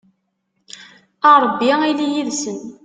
a rebbi ili yid-sen